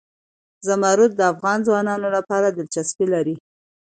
زمرد د افغان ځوانانو لپاره دلچسپي لري.